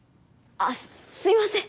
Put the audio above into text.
あっすいません